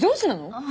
ああ。